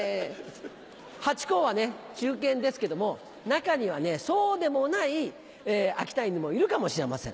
ハチ公は忠犬ですけども中にはそうでもない秋田犬もいるかもしれません。